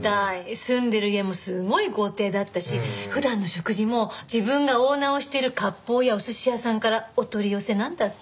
住んでる家もすごい豪邸だったし普段の食事も自分がオーナーをしてる割烹やお寿司屋さんからお取り寄せなんだって。